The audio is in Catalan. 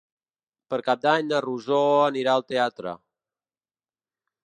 Per Cap d'Any na Rosó anirà al teatre.